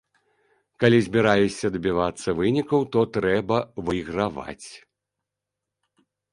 Калі збіраешся дабівацца вынікаў, то трэба выйграваць.